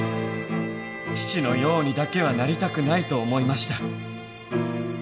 父のようにだけはなりたくないと思いました。